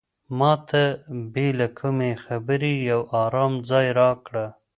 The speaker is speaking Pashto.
ما ته بې له کومې خبرې یو ارام ځای راکړه.